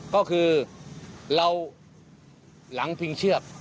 ก็คือเราหลังพิงเชือก